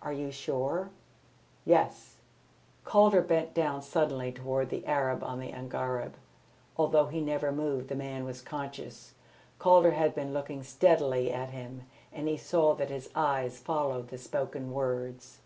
"Are you sure?" "Yes." Calder bent down suddenly towards the Arab on the angareb. Although he never moved, the man was conscious. Calder had been looking steadily at him, and he saw that his eyes followed the spoken words.